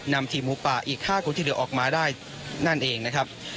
นำทีมหมูป่าอีก๕คนที่เหลือออกมาได้นั่นเองนะครับ